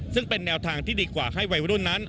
ซึ่งเป็นแนวทางที่ดีกว่าให้วัยรุ่นนั้น